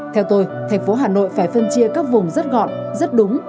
theo tôi thành phố hà nội phải phân chia các vùng rất gọn rất đúng